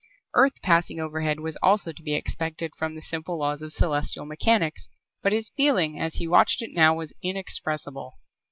Earth passing overhead was also to be expected from the simple laws of celestial mechanics but his feeling as he watched it now was inexpressible.